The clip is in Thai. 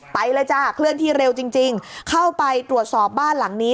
ไปเลยจ้ะเคลื่อนที่เร็วจริงจริงเข้าไปตรวจสอบบ้านหลังนี้